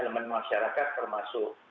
elemen masyarakat termasuk